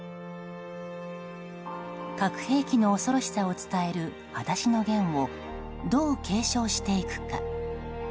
核兵器の恐ろしさを伝える「はだしのゲン」をどう継承していくか。